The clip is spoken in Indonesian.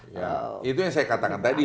ya itu yang saya katakan tadi